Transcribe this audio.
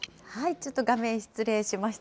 ちょっと画面失礼しました。